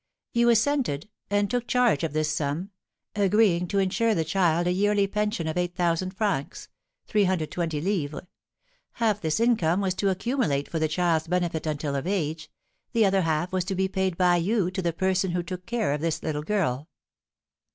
"You assented, and took charge of this sum, agreeing to insure the child a yearly pension of eight thousand francs (320_l._). Half this income was to accumulate for the child's benefit until of age; the other half was to be paid by you to the person who took care of this little girl."